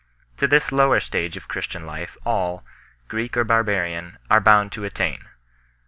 To this lower stage of Christian life all, Greek or barbarian, are bound to attain.